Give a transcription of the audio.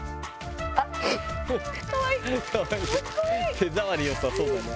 手触り良さそうだな。